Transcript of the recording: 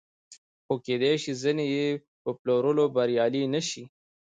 خو کېدای شي ځینې یې په پلورلو بریالي نشي